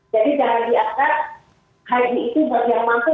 jadi jangan diangkat haji itu bagi yang mangsa